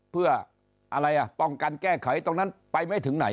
เพื่ออะไรอ่ะป้องกันแก้ไขตรงนั้นไปไม่ถึงไหน